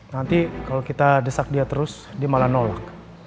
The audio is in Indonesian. nanti kalau kita desak dia terus dia malah nolak